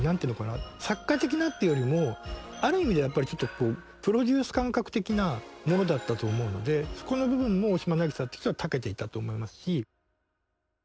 作家的なっていうよりもある意味ではやっぱりちょっとプロデュース感覚的なものだったと思うのでそこの部分も大島渚って人はたけていたと思いますし。